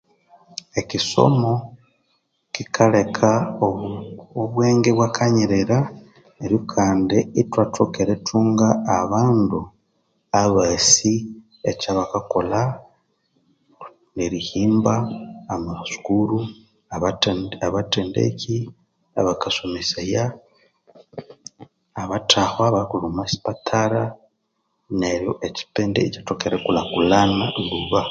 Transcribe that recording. Ekyisomo kyikaleka obwenge ibwakanyirira neryo kandi ithwathoka erithunga abandu abasi ekyabakakolha nerihimba amasukuru, abathendeki, abakasomesaya, abathahwa abakakolha omwa amasipatara neryo ekyipindi ikyathoka erikulhakulhana lhuba.